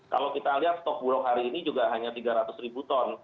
kalau kita lihat stok buruk hari ini juga hanya tiga ratus ribu ton